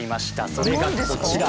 それがこちら。